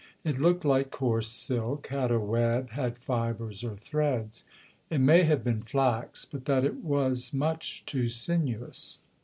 It looked like coarse silk, had a web, had fibres or threads. It may have been flax, but that it was much too sinuous.